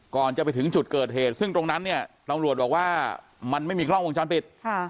ก่อนจะไปถึงจุดเกิดเหตุซึ่งตรงนั้นเนี่ยตำรวจบอกว่ามันไม่มีกล้องวงจรปิด